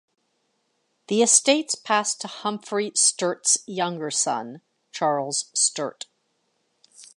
The estates passed to Humphrey Sturt's younger son, Charles Sturt.